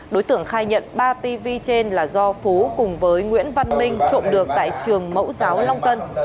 đối tượng khai nhận ba tv trên là do phú cùng với nguyễn văn minh trộm được tại trường mẫu giáo long tân